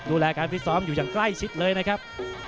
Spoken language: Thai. ดูแลการฟิตซ้อมอยู่อย่างใกล้ชิดเลยนะครับ